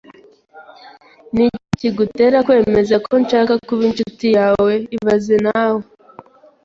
Ni iki kigutera kwemeza ko nshaka kuba inshuti yawe ibaze nawe